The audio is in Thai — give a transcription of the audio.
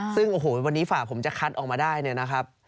ซึ่งโอ้โหวันนี้ฝ่าผมจะคัดออกมาได้เนี่ยนะครับ